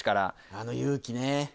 あの勇気ね。